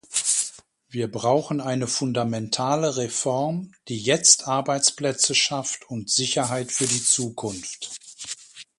Wir brauchen eine fundamentale Reform, die jetzt Arbeitsplätze schafft und Sicherheit für die Zukunft.